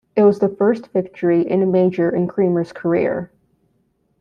It was the first victory in a major in Creamer's career.